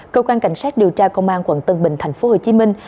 cơ quan cảnh sát điều tra công an quận tân bình thành phố hồ chí minh